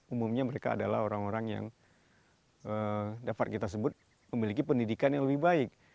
umumnya mereka adalah orang orang yang dapat kita sebut memiliki pendidikan yang lebih baik